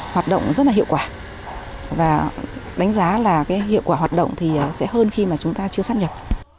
hoạt động thì sẽ hơn khi mà chúng ta chưa sắp nhập